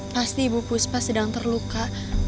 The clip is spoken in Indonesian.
pasti ibu puspa sedang terluka